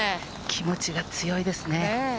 気持ちが強いですね。